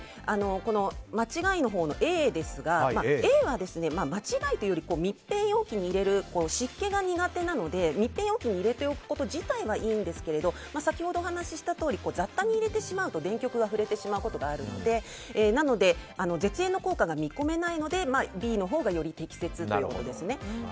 間違いのほうＡですがＡは間違いというより湿気が苦手なので密閉容器に入れておくこと自体はいいんですが先ほどお話ししたとおり雑多に入れてしまうと電極が触れてしまうことがあるのでなので、絶縁の効果が見込めないのでＢのほうがより適切ということです。